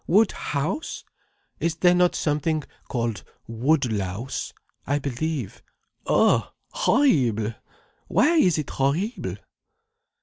Woodhouse! Is there not something called Woodlouse? I believe. Ugh, horrible! Why is it horrible?"